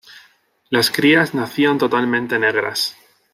Las crías nacían totalmente negras.